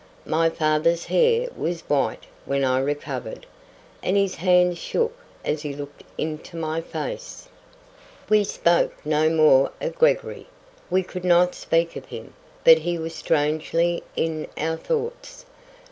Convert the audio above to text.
My father's hair was white when I recovered, and his hands shook as he looked into my face. We spoke no more of Gregory. We could not speak of him; but he was strangely in our thoughts.